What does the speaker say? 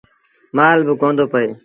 مآل با ڪوندو پيٚئي۔